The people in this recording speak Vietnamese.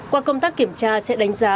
qua công tác kiểm tra sẽ đánh giá